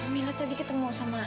mila tadi ketemu sama